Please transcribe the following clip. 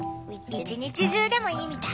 一日中でもいいみたい。